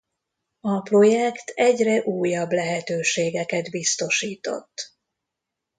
A projekt egyre újabb lehetőségeket biztosított.